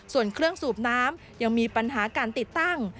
ส่วนเครื่องสูบน้ำยังมีปัญหาการติดตั้ง